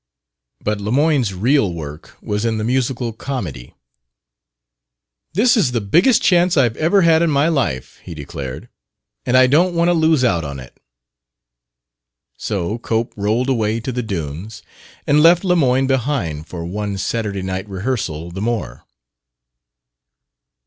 But Lemoyne's real work was in the musical comedy. "This is the biggest chance I've ever had in my life," he declared, "and I don't want to lose out on it." So Cope rolled away to the dunes and left Lemoyne behind for one Saturday night rehearsal the more.